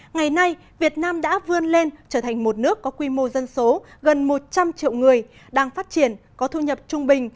ngày nay việt nam đã vươn lên trở thành một nước có quy mô dân số gần một trăm linh triệu người đang phát triển có thu nhập trung bình